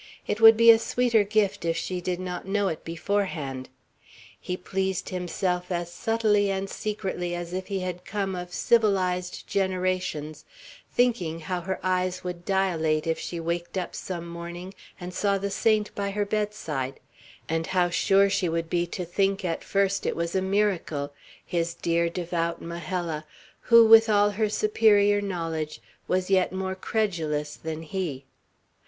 It would be a sweeter gift, if she did not know it beforehand. He pleased himself as subtly and secretly as if he had come of civilized generations, thinking how her eyes would dilate, if she waked up some morning and saw the saint by her bedside; and how sure she would be to think, at first, it was a miracle, his dear, devout Majella, who, with all her superior knowledge, was yet more credulous than he.